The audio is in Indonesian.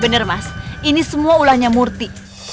benar mas ini semua ulahnya murti